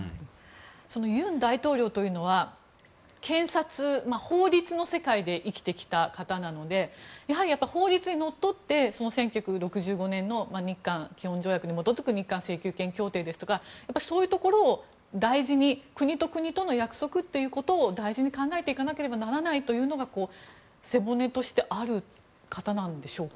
尹大統領というのは検察、法律の世界で生きてきた方なのでやはり法律にのっとって１９６５年の日韓基本条約に基づく日韓請求権協定ですとかそういうところを大事に国と国との約束ということを大事に考えていかなければいけないというのが背骨としてある方なんでしょうか。